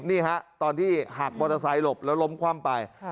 นี่ฮะตอนที่หักมอเตอร์ไซค์หลบแล้วล้มคว่ำไป